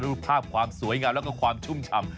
รูปภาพความสวยงามแล้วก็ความชุ่มฉ่ำ